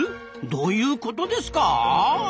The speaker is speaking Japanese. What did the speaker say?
どういうことですか？